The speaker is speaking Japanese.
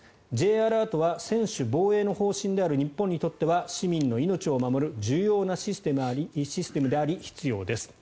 Ｊアラートは専守防衛の方針である日本にとっては市民の命を守る重要なシステムであり必要です。